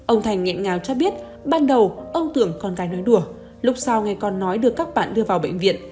ông thành nghẹn ngào cho biết ban đầu ông tưởng con gái nói đùa lúc sau ngày con nói được các bạn đưa vào bệnh viện